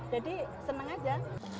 jadi senang aja